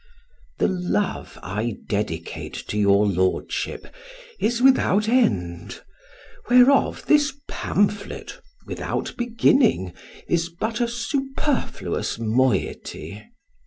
THE love I dedicate to your lordship is without end; whereof this pamphlet, without beginning, is but a superfluous moiety.